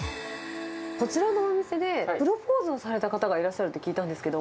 こちらのお店でプロポーズをされた方がいらっしゃるって聞いたんですけど。